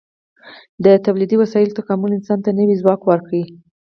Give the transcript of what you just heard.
د تولیدي وسایلو تکامل انسان ته نوی ځواک ورکړ.